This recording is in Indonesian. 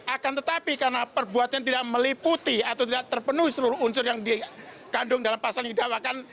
akan tetapi karena perbuatannya tidak meliputi atau tidak terpenuhi seluruh unsur yang dikandung dalam pasal yang didakwakan